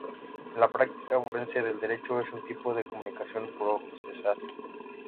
En la práctica forense del derecho es un tipo de comunicación procesal.